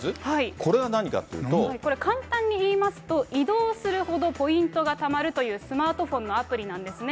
これ、簡単に言いますと、移動するほどポイントがたまるというスマートフォンのアプリなんですね。